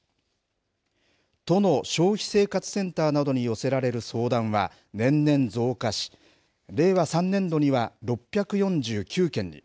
都の消費生活センターなどに寄せられる相談は年々増加し令和３年度には６４９件に。